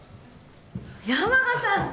山賀さん。